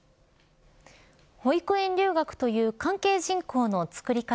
保育園留学という関係人口の作り方